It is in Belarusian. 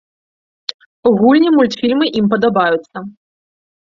Гульні, мультфільмы ім падабаюцца.